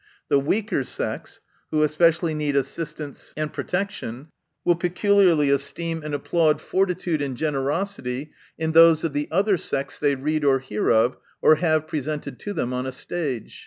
The weaker sex, who especially need assistance and protection, will peculiarly esteem and applaud fortitude and generosity in those of the other sex, they read or hear of, or have represented to them on a stage.